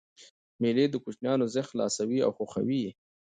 مېلې د کوچنيانو ذهن خلاصوي او خوښوي یې.